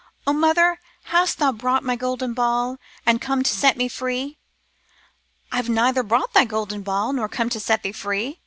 O mother ! hast brought my golden ball And come to set me free ?'' IVe neither brought thy golden ball Nor come to set thee free.